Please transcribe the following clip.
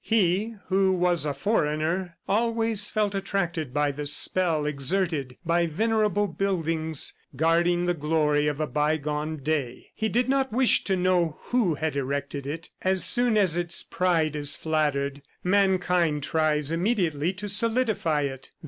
He, who was a foreigner, always felt attracted by the spell exerted by venerable buildings guarding the glory of a bygone day. He did not wish to know who had erected it. As soon as its pride is flattered, mankind tries immediately to solidify it.